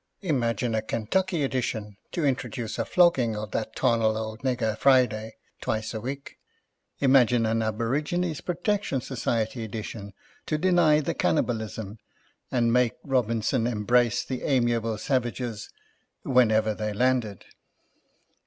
Imagine a Kentucky edition, to in troduce a flogging of that 'tarnal old nigger Friday, twice a week. Imagine an Abori gines Protection Society edition, to deny the cannibalism and make Robinson embrace the amiable savages whenever they landed.